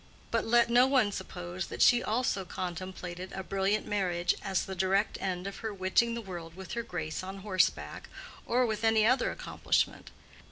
But let no one suppose that she also contemplated a brilliant marriage as the direct end of her witching the world with her grace on horseback, or with any other accomplishment.